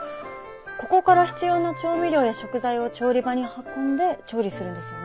ここから必要な調味料や食材を調理場に運んで調理するんですよね？